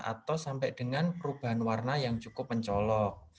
atau sampai dengan perubahan warna yang cukup mencolok